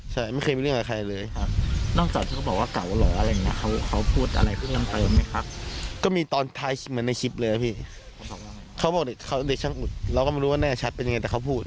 ใช่ไม่เคยมีเรื่องกับใครเลย